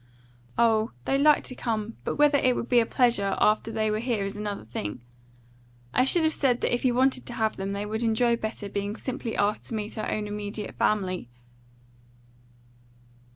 "Oh, they'd like to come; but whether it would be a pleasure after they were here is another thing. I should have said that if you wanted to have them, they would enjoy better being simply asked to meet our own immediate family."